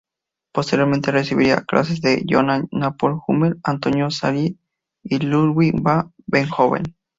Posteriormente recibiría clases de Johann Nepomuk Hummel, Antonio Salieri y Ludwig van Beethoven.